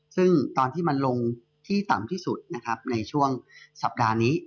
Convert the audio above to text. ซึ่งตอนที่มันลงที่ต่ำที่สุดนะครับในช่วงสัปดาห์นี้